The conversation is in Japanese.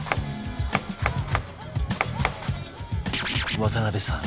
渡邊さん